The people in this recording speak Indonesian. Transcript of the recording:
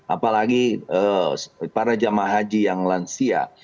apalagi para jemaah haji yang lansia